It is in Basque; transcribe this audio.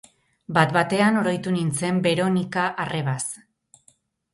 Bat batean oroitu nintzen Beronika arrebaz.